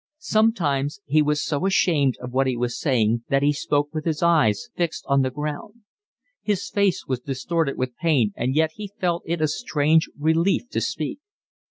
Sometimes he was so ashamed of what he was saying that he spoke with his eyes fixed on the ground. His face was distorted with pain, and yet he felt it a strange relief to speak.